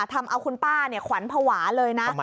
ทำเอาคุณป้าขวัญภาวะเลยนะ